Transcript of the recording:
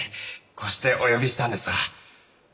こうしてお呼びしたんでさ。